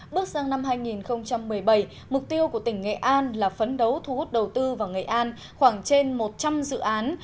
bước sang năm hai nghìn một mươi bảy mục tiêu của tỉnh nghệ an là phấn đấu thu hút đầu tư vào nghệ an khoảng trên một trăm linh dự án